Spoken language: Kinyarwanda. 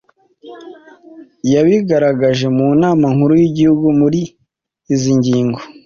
Yabigaragaje mu Nama Nkuru y'igihugu muri zi ngingo: